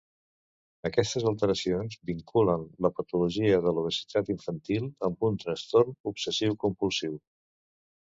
Aquestes alteracions vinculen la patologia de l'obesitat infantil amb un trastorn obsessiu-compulsiu.